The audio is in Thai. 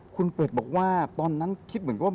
คุณเป็ดบอกว่าตอนนั้นคิดเหมือนกับว่า